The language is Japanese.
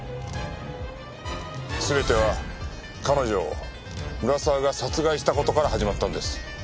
全ては彼女を村沢が殺害した事から始まったんです。